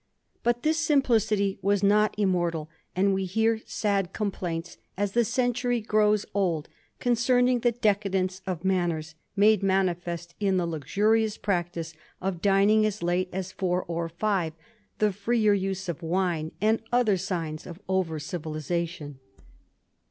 But this simplicity was not immortal, and we hear sad complaints as the century grows old concerning the decadence of man ners made manifest in the luxurious practice of dining as late as four or five, the fi:eer use of wine, and other signs of over civilisation.